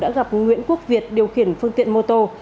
đã gặp nguyễn quốc việt điều khiển phương tiện mô tô